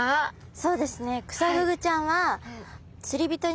そうですね。